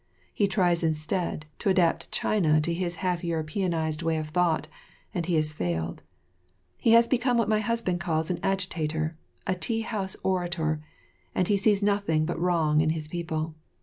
He tries instead, to adapt China to his half Europeanised way of thought, and he has failed. He has become what my husband calls an agitator, a tea house orator, and he sees nothing but wrong in his people.